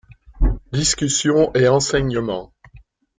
Discussions et enseignement.